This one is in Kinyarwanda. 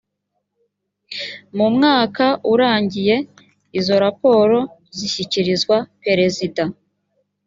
mu mwaka urangiye izo raporo zishyikirizwa perezida